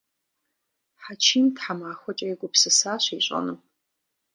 Хьэчим тхьэмахуэкӏэ егупсысащ ищӏэнум.